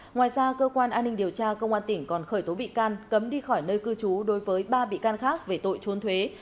ngoài ra cơ quan an ninh điều tra công an tỉnh còn khởi tố bị can cấm đi khỏi nơi cư trú đối với ba bị can khác về tội trốn thuế